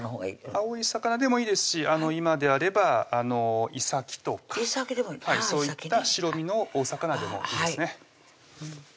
青い魚でもいいですし今であればいさきとかそういった白身のお魚でもいいですね